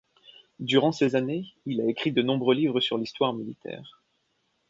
Durant ces années, il a écrit de nombreux livres sur l'histoire militaire.